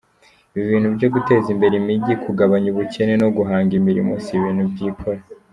Ibi bintu byo guteza imbere imijyi, kugabanya ubukene no guhanga imirimo, si ibintu byikora.